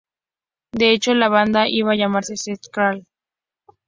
De hecho, la banda iba a llamarse Street Talk.